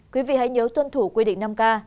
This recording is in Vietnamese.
quý vị hãy nhớ tuân thủ quy định năm k